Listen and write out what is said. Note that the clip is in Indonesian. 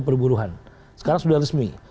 perburuhan sekarang sudah resmi